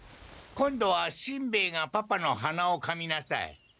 今度はしんべヱがパパのはなをかみなさい。